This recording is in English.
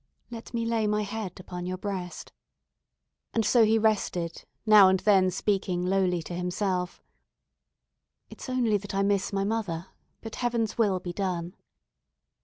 "Let me lay my head upon your breast;" and so he rested, now and then speaking lowly to himself, "It's only that I miss my mother; but Heaven's will be done."